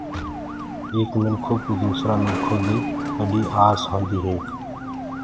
ايڪ منکو ڪُو دوسرآ منکو دي ٻڏي آس هوندي هي۔